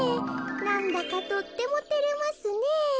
なんだかとってもてれますねえ」。